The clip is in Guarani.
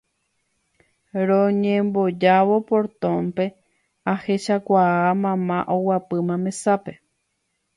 Roñembojávo portónpe ahechakuaa mama oguapýma mesápe